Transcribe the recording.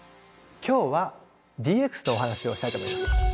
今日はＤＸのお話をしたいと思います。